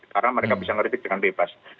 karena mereka bisa ngeredit dengan bebas